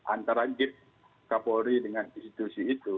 antara jeep kapolri dengan institusi itu